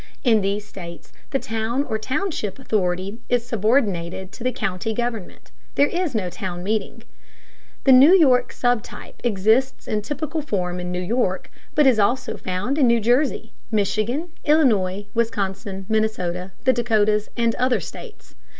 In these states the town or township authority is subordinated to the county government. There is no town meeting. The New York sub type exists in typical form in New York, but is also found in New Jersey, Michigan, Illinois, Wisconsin, Minnesota, the Dakotas, and other states.